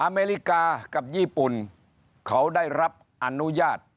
อเมริกากับญี่ปุ่นเขาได้รับอนุญาต